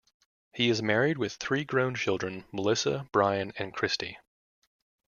He is married with three grown children, Melissa, Brian, and Kristi.